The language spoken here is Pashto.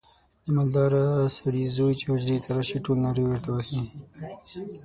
د مالداره سړي زوی چې حجرې ته راشي ټول نارې ورته وهي.